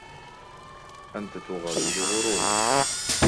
أنت تغازل غروري.